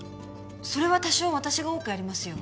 それは多少私が多くやりますよ